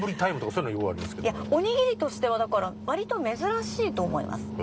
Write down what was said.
イヤ『おにぎり』としてはだから割と珍しいと思います。